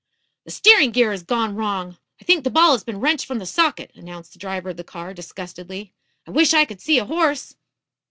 "The steering gear has gone wrong. I think the ball has been wrenched from the socket," announced the driver of the car, disgustedly. "I wish I could see a horse."